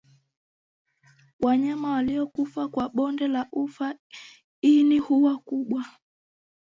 Wanyama waliokufa kwa bonde la ufa ini huwa kubwa